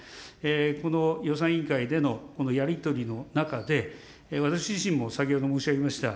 この予算委員会でのこのやり取りの中で、私自身も先ほど申し上げました